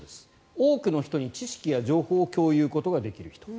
多くの人に知識や情報を共有することができる人。